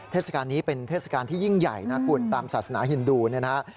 เทศกาลนี้เป็นเทศกาลที่ยิ่งใหญ่นะคุณตามศาสนาฮินดูเนี่ยนะฮะ